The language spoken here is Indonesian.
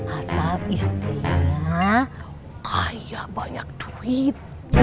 asal istrinya ayah banyak duit